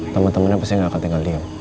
temen temennya pasti gak akan tinggal liang